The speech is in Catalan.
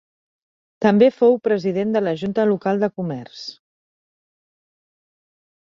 També fou president de la junta local de comerç.